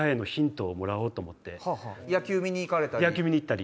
野球見に行かれたり。